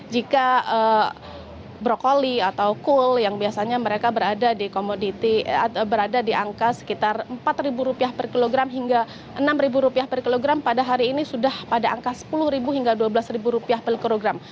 jika brokoli atau cool yang biasanya mereka berada di komoditi berada di angka sekitar rp empat per kilogram hingga rp enam per kilogram pada hari ini sudah pada angka rp sepuluh hingga rp dua belas per kilogram